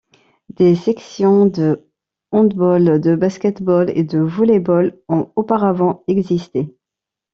Des sections de handball, de basket-ball et de volley-ball ont auparavant existé.